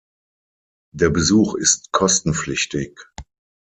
Der Besuch ist kostenpflichtig.